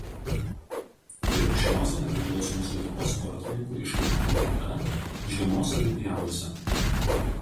Tai aukščiausia Nepriklausomos Lietuvos sportininkų iškovota vieta žiemos olimpiadose.